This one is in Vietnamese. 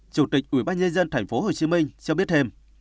chủ tịch ubnd tp hcm cho biết thêm